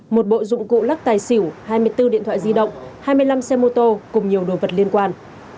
một bộ dụng cụ lắc tài xỉu hai mươi bốn điện thoại di động hai mươi năm xe mô tô cùng nhiều đồ vật liên quan